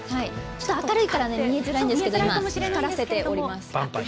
明るいから見えづらいんですけど光らせております。